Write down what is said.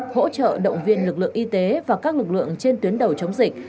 hỗ trợ động viên lực lượng y tế và các lực lượng trên tuyến đầu chống dịch